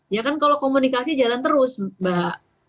ya kan kalau komunikasi jalan terus mbak